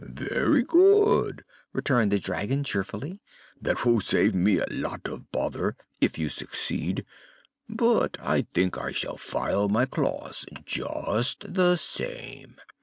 "Very good," returned the dragon, cheerfully. "That will save me a lot of bother if you succeed. But I think I shall file my claws, just the same."